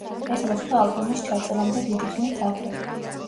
ეს მოხდა ალბომის ჩაწერამდე დიდი ხნით ადრე.